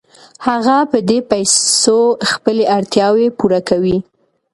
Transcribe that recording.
هغه په دې پیسو خپلې اړتیاوې پوره کوي